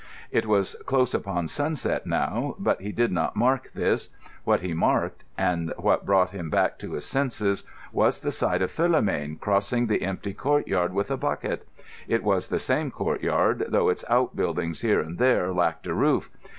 It was close upon sunset now; but he did not mark this. What he marked—and what brought him back to his senses—was the sight of Philomène crossing the empty courtyard with a bucket. It was the same courtyard, though its outbuildings here and there lacked a roof.